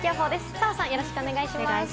澤さん、よろしくお願いします。